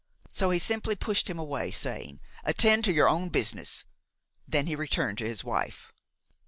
So he simply pushed him away, saying: "Attend to your own business." Then he returned to his wife.